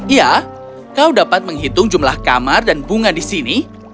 ya kau dapat menghitung jumlah kamar dan bunga di sini